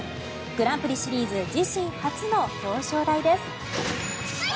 グランプリシリーズ自身初の表彰台です。